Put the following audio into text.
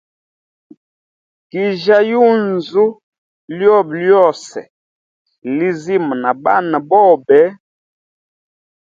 Kijya yunzu lyobe lyose lizima na bana bobe.